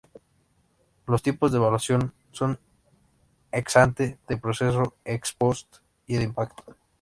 Los tipos de evaluación son: "ex-ante", "de proceso", "ex-post" y "de impacto".